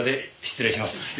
失礼します。